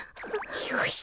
よし！